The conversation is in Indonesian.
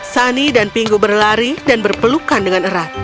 sunny dan pingu berlari dan berpeluk peluk